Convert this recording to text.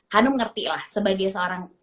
hanum ngerti lah sebagai seorang